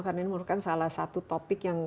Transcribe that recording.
karena ini merupakan salah satu topik yang